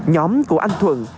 nhóm của anh thuận